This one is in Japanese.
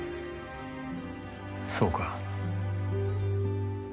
そうか。